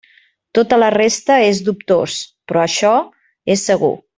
Tota la resta és dubtós, però això és segur.